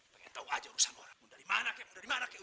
pengen tahu aja urusan orangmu dari mana kamu dari mana kamu